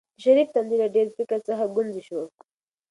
د شریف تندی له ډېر فکر څخه ګونځې شو.